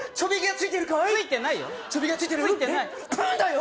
ついてないよ